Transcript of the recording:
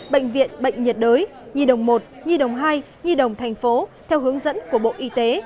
bệnh viện bệnh nhiệt đới nhi đồng một nhi đồng hai nhi đồng thành phố theo hướng dẫn của bộ y tế